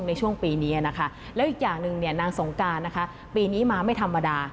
ในช่วงปีนี้และอีกอย่างหนึ่งนางสงการปีนี้มาไม่ธรรมดา